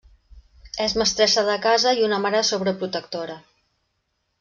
És mestressa de casa i una mare sobreprotectora.